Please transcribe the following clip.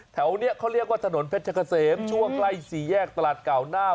แถวนี้เขาเรียกว่าถนนเพชรเกษมช่วงใกล้สี่แยกตลาดเก่าหน้า